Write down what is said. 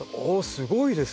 すごいですね。